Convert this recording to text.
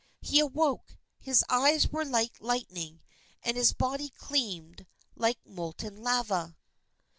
He awoke. His eyes were like lightning, and his body gleamed like molten lava.